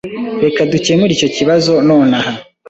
Reka dukemure icyo kibazo nonaha.